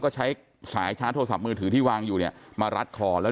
ก็ใช้สายชาร์จโทรศัพท์มือถือที่วางอยู่เนี่ยมารัดคอแล้ว